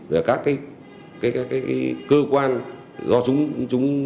về các cơ quan